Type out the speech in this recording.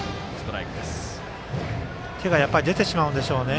手がやっぱり出てしまうんでしょうね。